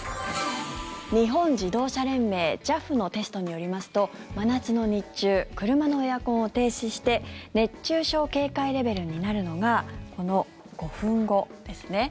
日本自動車連盟・ＪＡＦのテストによりますと真夏の日中車のエアコンを停止して熱中症警戒レベルになるのがこの５分後ですね。